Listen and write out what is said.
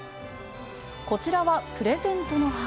こちらはプレゼントの箱。